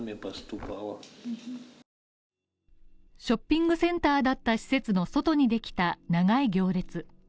ショッピングセンターだった施設の外にできた長い行列。